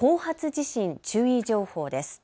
地震注意情報です。